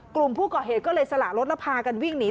กลุ่มผู้ก่อเหตุก็เลยสละรถแล้วพากันวิ่งหนี